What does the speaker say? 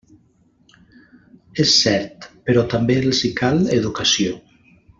És cert, però també els hi cal educació.